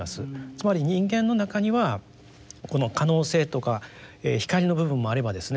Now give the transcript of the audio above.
つまり人間の中にはこの可能性とか光の部分もあればですね